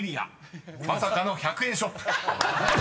［まさかの１００円ショップ］